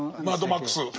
「マッドマックス」。